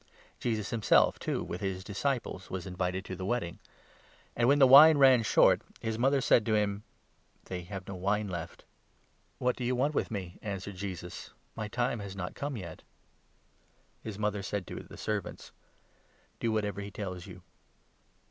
cana. Jesus himself, too, with his disciples, was 2 invited to the wedding. And, when the wine ran short, his 3 mother said to him :" They have no wine left." "What do you want with me?" answered Jesus. "My 4 time has not come yet." His mother said to the servants: "Do whatever he tells you."